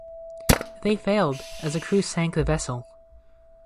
They failed, as the crew sank the vessel.